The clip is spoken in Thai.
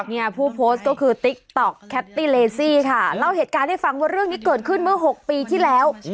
เนี่ยผู้โพสต์ก็คือติ๊กต๊อกแคปตี้เลซี่ค่ะเล่าเหตุการณ์ให้ฟังว่าเรื่องนี้เกิดขึ้นเมื่อหกปีที่แล้ว